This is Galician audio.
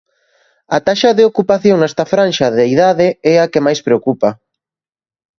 A taxa de ocupación nesta franxa de idade é a que máis preocupa.